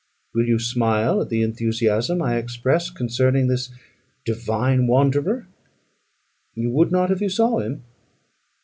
Will you smile at the enthusiasm I express concerning this divine wanderer? You would not, if you saw him.